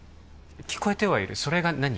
聞こえてはいるそれが何？